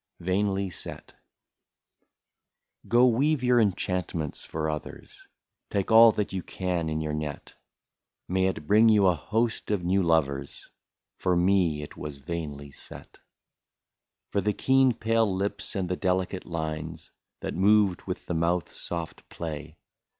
I40 VAINLY SET. Go, weave your enchantments for others, Take all that you can in your net ; May it bring you a host of new lovers, — For me it was vainly set ; For the keen pale lips, and the delicate lines, That moved with the mouth's soft play.